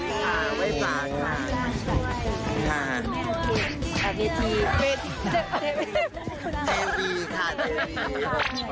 เอาอย่างนี้ค่ะจิน